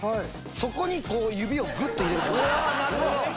そこに指をぐっと入れる感じ。